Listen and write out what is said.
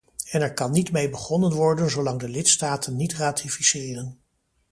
En er kan niet mee begonnen worden zolang de lidstaten niet ratificeren.